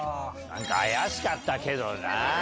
何か怪しかったけどな。